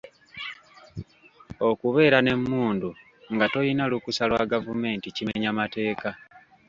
Okubeera n'emmundu nga toyina lukusa lwa gavumenti kimenya mateeka.